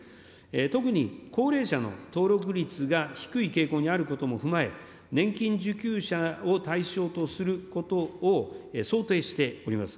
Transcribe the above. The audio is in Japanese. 特に高齢者の登録率が低い傾向にあることも踏まえ、年金受給者を対象とすることを想定しております。